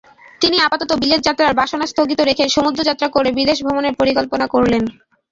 তিনি আপাততঃ বিলেতযাত্রার বাসনা স্থগিত রেখে সমুদ্রযাত্রা করে বিদেশভ্রমণের পরিকল্পনা করলেন।